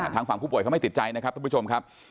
ทางฝั่งผู้ป่วยเขาไม่ติดใจนะครับทุกผู้ชมครับ